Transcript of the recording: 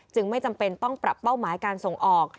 ไม่จำเป็นต้องปรับเป้าหมายการส่งออก